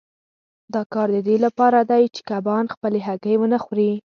دا کار د دې لپاره دی چې کبان خپلې هګۍ ونه خوري.